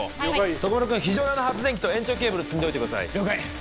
徳丸君非常用の発電機と延長ケーブル積んでおいてください了解！